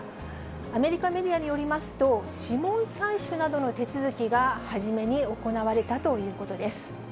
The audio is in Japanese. アメリカメディアによりますと、指紋採取などの手続きが初めに行われたということです。